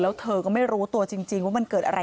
แล้วเธอก็ไม่รู้ตัวจริงว่ามันเกิดอะไร